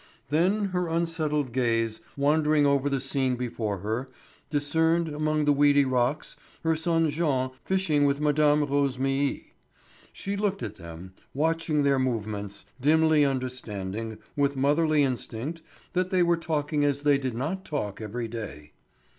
Then her unsettled gaze, wandering over the scene before her, discerned, among the weedy rocks, her son Jean fishing with Mme. Rosémilly. She looked at them, watching their movements, dimly understanding, with motherly instinct, that they were talking as they did not talk every day.